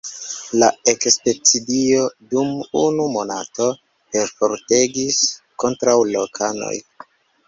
La ekspedicio dum unu monato perfortegis kontraŭ lokanoj.